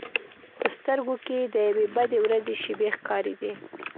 په سترګو کې یې د یوې بدې ورځې شېبې ښکارېدې.